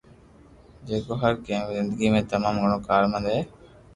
جيڪو هر ڪنهن جي زندگي ۾ تمام گهڻو ڪارآمد آهي